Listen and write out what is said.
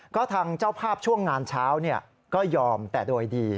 ก็ทางเจ้าภาพช่วงงานเช้าก็ยอมแต่โดยดี